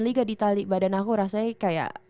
liga di tali badan aku rasanya kayak